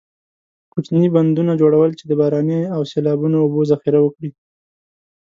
کوچنۍ بندونو جوړول چې د باراني او سیلابي اوبو ذخیره وکړي.